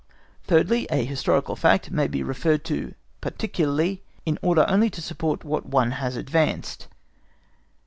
Thirdly, a historical fact may be referred to particularly, in order to support what one has advanced.